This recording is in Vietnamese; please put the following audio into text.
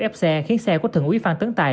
ép xe khiến xe của thượng úy phan tấn tài